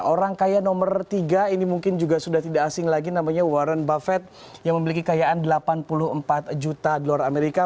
orang kaya nomor tiga ini mungkin juga sudah tidak asing lagi namanya warren buffet yang memiliki kekayaan delapan puluh empat juta dolar amerika